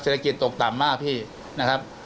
เศรษฐกิจตกต่ำมากพี่นะครับ